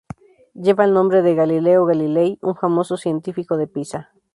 Lleva el nombre de Galileo Galilei, un famoso científico de Pisa.